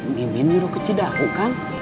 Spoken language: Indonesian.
mimin jauh ke cidaho kan